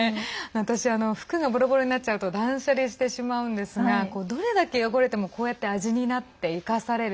私、服がぼろぼろになっちゃうと断捨離してしまうんですがどれだけ汚れてもこうやって味になって生かされる。